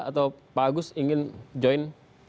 atau pak agus ingin join